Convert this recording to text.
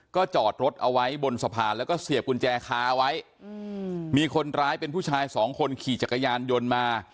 ก็จอดรถเอาไว้บนสะพานแล้วก็เสียบกุญแจคาไว้มีคนร้ายเป็นผู้ชายสองคนขี่จักรยานยนต์มา